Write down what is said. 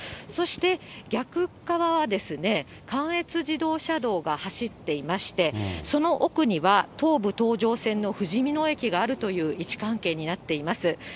そして、逆側は関越自動車道が走っていまして、その奥には東武東上線のふじみ野駅があるという位置関係になっています。